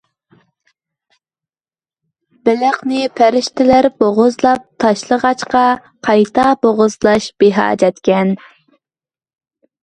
بېلىقنى پەرىشتىلەر بوغۇزلاپ تاشلىغاچقا، قايتا بوغۇزلاش بىھاجەتكەن.